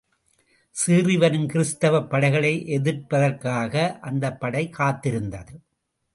சீறிவரும் கிறிஸ்தவப் படைகளை எதிர்ப்பதற்காக அந்தப்படை காத்திருந்தது.